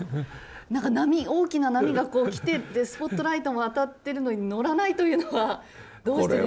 なんか波大きな波がこう来てでスポットライトも当たってるのに乗らないというのはどうしてですか？